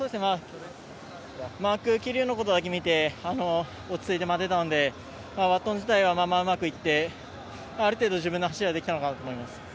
桐生のことだけを見て、落ち着いて待っていたので、バトン自体はまぁまぁうまくいって、ある程度自分の走りができたかなと思います。